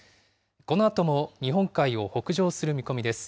このあとも日本海を北上する見込みです。